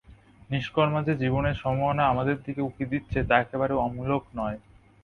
নিষ্কর্মা যে জীবনের সম্ভাবনা আমাদের দিকে উকি দিচ্ছে তা একেবারে অমূলক নয়।